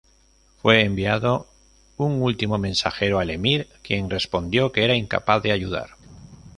Fue enviado un último mensajero al emir, quien respondió que era incapaz de ayudar.